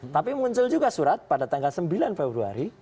tapi muncul juga surat pada tanggal sembilan februari